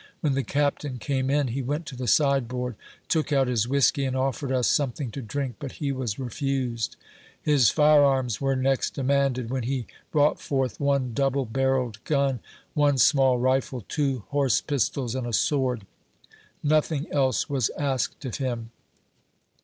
When the Captain came in, he went to the sideboard, took out his whiskey, and offered us some thing to drink, but he was refused. His fire arms were next demanded, when he brought forth one double barrelled gun, one small rifle, two horse pistols and a sword. Nothing else CAPT. STEVENS AND PARTY VISIT THE COUNTRY. 35 was asked of him.